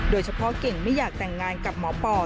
โดยเฉพาะเก่งไม่อยากแต่งงานกับหมอปอ